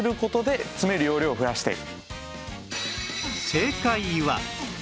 正解は